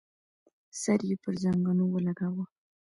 سر يې پر زنګنو ولګاوه.